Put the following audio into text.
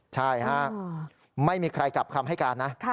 ใช่ฮะไม่มีใครกลับคำให้การนะ